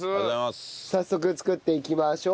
早速作っていきましょう。